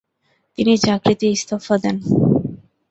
তিনি চাকরিতে ইস্তফা দেন।